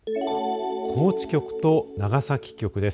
高知局と長崎局です。